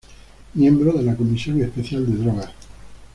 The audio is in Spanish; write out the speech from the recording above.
Miembro de la Comisión Especial de Drogas.